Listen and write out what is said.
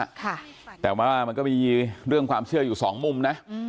กลับมามันก็มีเรื่องความเชื่ออยู่สองมุมนะ